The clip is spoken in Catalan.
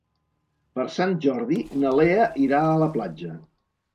Per Sant Jordi na Lea irà a la platja.